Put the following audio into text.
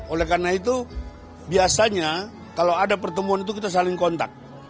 oleh karena itu biasanya kalau ada pertemuan itu kita saling kontak